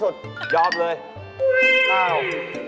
ทำไมมาสั่ง